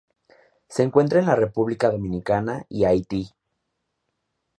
Se encuentra en la República Dominicana y Haití.